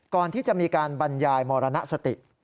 ก่อนที่จะมีการบรรยายมรณสติ